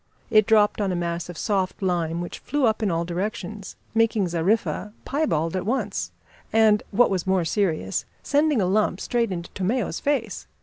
It dropped on a mass of soft lime, which flew up in all directions, making Zariffa piebald at once, and, what was more serious, sending a lump straight into Tomeo's face.